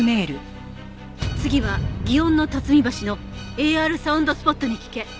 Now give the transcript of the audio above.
「次は園の巽橋のＡＲサウンドスポットに聞け」